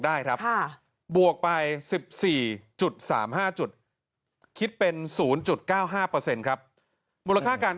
ได้ครับบวกไป๑๔๓๕จุดคิดเป็น๐๙๕เปอร์เซ็นต์ครับมูลค่าการ